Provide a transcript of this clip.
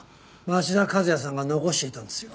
町田和也さんが残していたんですよ。